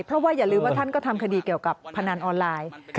เพราะว่าอย่าลืมว่าท่านก็ทำคดีเกี่ยวกับพนันออนไลน์